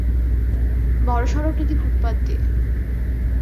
বড় সড়ক নাকি ফুটপাথ দিয়ে?